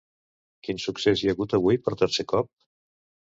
Quin succés hi ha hagut avui per tercer cop?